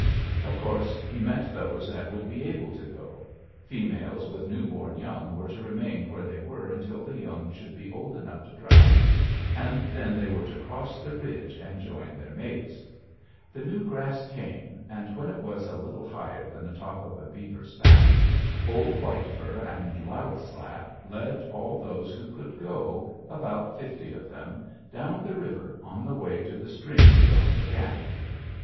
"Of course, he meant those that would be able to go: females with newborn young were to remain where they were until the young should be old enough to travel, and then they were to cross the ridge and join their mates. The new grass came, and when it was a little higher than the top of a beaver's back, old White Fur and Loud Slap led all those who could go, about fifty of them, down the river on the way to the stream beyond the gap.